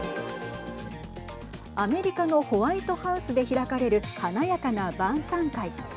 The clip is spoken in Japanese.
アメリカのホワイトハウスで開かれる華やかな晩さん会。